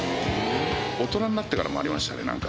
大人になってからもありましたね、なんか。